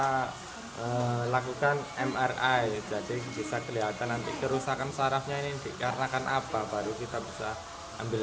kita lakukan mri jadi bisa kelihatan nanti kerusakan sarafnya ini dikarenakan apa baru kita bisa ambil